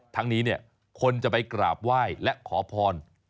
ทั้งนี้คนจะไปกราบไหว้และขอพร